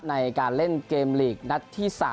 ในการเล่นเกมลีกนัดที่๓